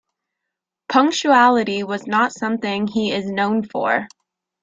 Punctuality was not something he is known for.